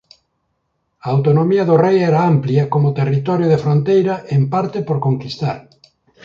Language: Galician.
A autonomía do rei era amplía como territorio de fronteira en parte por conquistar.